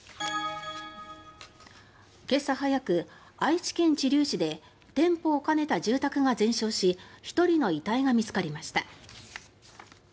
今朝早く、愛知県知立市で店舗を兼ねた住宅が全焼し１人の遺体が見つかりました。